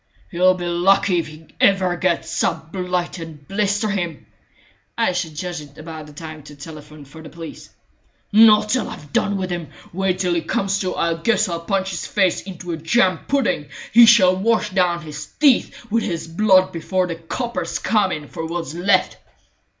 "He'll be lucky if he ever gets up, blight and blister him!" "I should judge it about time to telephone for the police." "Not till I've done with him. Wait till he comes to! I guess I'll punch his face into a jam pudding! He shall wash down his teeth with his blood before the coppers come in for what's left!"